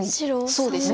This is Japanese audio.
そうですね。